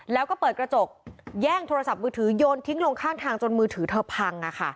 แล้วก็เปิดกระจกแย่งโทรศัพท์มือถือโยนทิ้งลงข้างทางจนมือถือเธอพัง